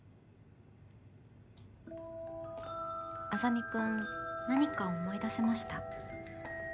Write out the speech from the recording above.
莇君何か思い出せました？